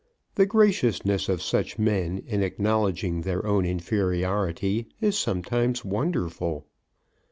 The graciousness of such men in acknowledging their own inferiority is sometimes wonderful.